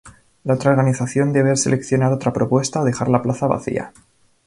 La otra organización debe seleccionar otra propuesta o dejar la plaza vacía.